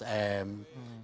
ya menulis surat